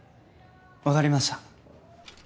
わかりました。